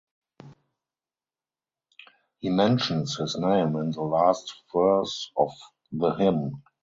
He mentions his name in the last verse of the hymn.